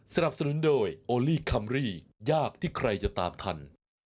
สนับสนุนโดยโอลี่คัมรี่ยากที่ใครจะตามทัน